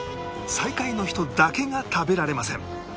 最下位の人だけが食べられません